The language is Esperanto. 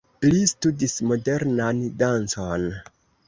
Li studis modernan dancon.